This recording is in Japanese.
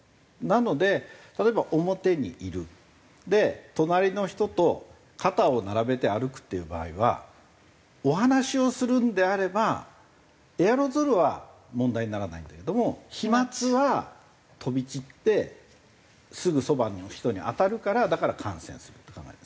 なので例えば表にいる隣の人と肩を並べて歩くっていう場合はお話しをするんであればエアロゾルは問題にならないんだけども飛沫は飛び散ってすぐそばの人に当たるからだから感染するって考え方。